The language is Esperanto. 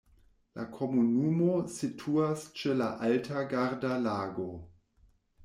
La komunumo situas ĉe la alta Garda-Lago.